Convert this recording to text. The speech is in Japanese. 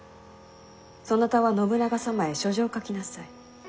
そなたは信長様へ書状を書きなさい。